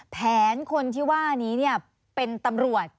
แผนคนที่ว่านี้เป็นตำรวจ